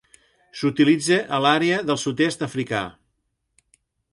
S'utilitza a l'àrea del sud-est africà.